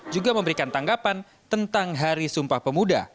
juga memberikan tanggapan tentang hari sumpah pemuda